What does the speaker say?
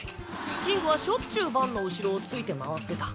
キングはしょっちゅうバンの後ろをついて回ってた。